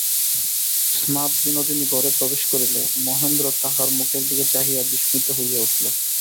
স্নাত বিনোদিনী ঘরে প্রবেশ করিলে, মহেন্দ্র তাহার মুখের দিকে চাহিয়া বিস্মিত হইয়া উঠিল।